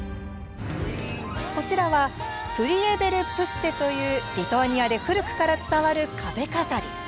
こちらはプリエヴェルプステというリトアニアで古くから伝わる壁飾り。